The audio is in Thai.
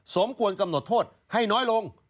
สมควรกำหนดโทษให้น้อยลง